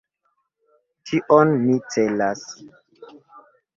Tion mi celas.